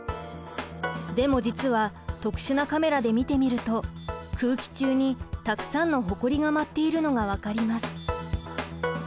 でも実は特殊なカメラで見てみると空気中にたくさんのほこりが舞っているのが分かります。